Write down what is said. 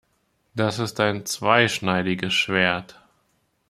Das ist ein zweischneidiges Schwert.